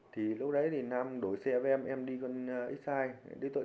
thì lúc đấy thì nam đổi xe với em em đi gần xi